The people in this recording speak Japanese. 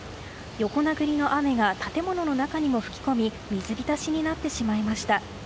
横殴りの雨が建物の中にも吹き込み水浸しになってしまいました。